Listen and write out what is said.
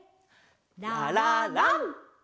ラララン！